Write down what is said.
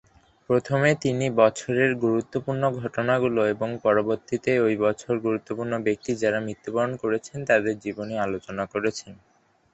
প্রথমে তিনি বছরের গুরুত্বপূর্ণ ঘটনাগুলো এবং পরবর্তীতে ওই বছর গুরুত্বপূর্ণ ব্যক্তি যারা মৃত্যুবরণ করেছেন তাদের জীবনী আলোচনা করেছেন।